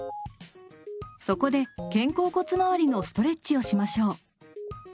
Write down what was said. そこで肩甲骨周りのストレッチをしましょう。